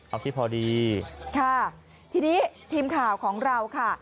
เอาที่พอดีค่ะทีนี้ทีมข่าวของเราค่ะ